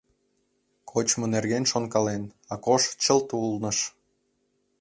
Кочмо нерген шонкален, Акош чылт улныш.